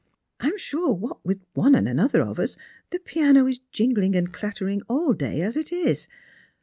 I am sure, what with one any another of us, the piano is jingling and clattering all day, as_ it is.